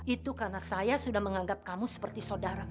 itu karena saya sudah menganggap kamu seperti saudara